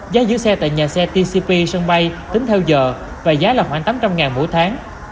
giá giữ xe tại nhà xe tcp sân bay tính theo giờ và giá là khoảng tám trăm linh đồng mỗi tháng